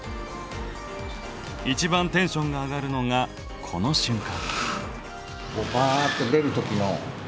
一番テンションが上がるのがこの瞬間！